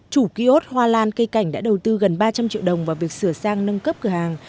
chủ ký ốt hoa lan cây cảnh đã đầu tư gần ba trăm linh triệu đồng vào việc sửa sang nâng cấp cửa hàng